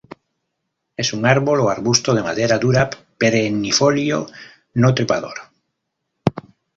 Es un árbol o arbusto de madera dura perennifolio no trepador.